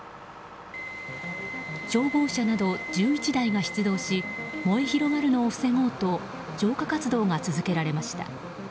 消防車など１１台が出動し燃え広がるのを防ごうと消火活動が続けられました。